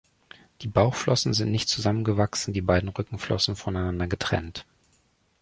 Die Bauchflossen sind nicht zusammengewachsen, die beiden Rückenflossen voneinander getrennt.